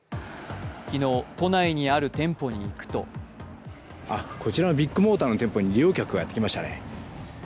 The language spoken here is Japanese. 昨日、都内にある店舗に行くとあっ、こちらのビッグモーターの店舗に利用客がやってきましたね。